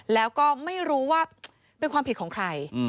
แล้วก็ไม่รู้ว่าเป็นความผิดของใคร